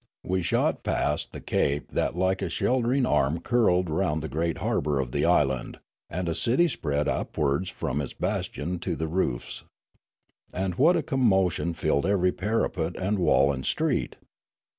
We shot past the cape that like a sheltering arm curled round the great harbour of the island, and a city spread upwards from it bastioned to the roofs. And what a commotion filled every parapet and wall and street